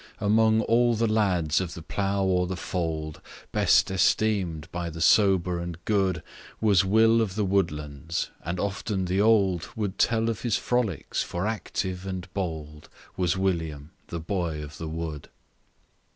Among all the lads of the plough or the fold; Best esteem'd by the sober and good, Was Will of the Woodlands; and often the old Would tell of his frolics, for active and bold Was William the boy of the wood.